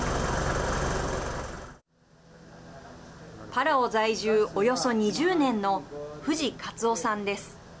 パラオ在住、およそ２０年の藤勝雄さんです。